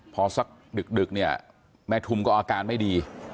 พอสักดึกเนี่ยแม่ทุมก็อาการไม่ดี